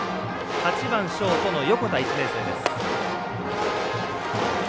８番ショートの横田１年生です。